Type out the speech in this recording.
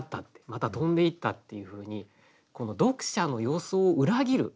また飛んでいったっていうふうに読者の予想を裏切る。